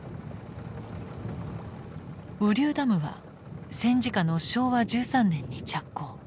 雨竜ダムは戦時下の昭和１３年に着工。